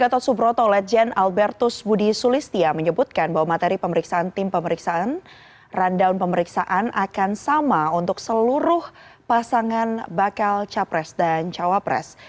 gatot subroto ledjen albertus budi sulistia menyebutkan bahwa materi pemeriksaan tim pemeriksaan rundown pemeriksaan akan sama untuk seluruh pasangan bakal capres dan cawapres